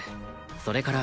それから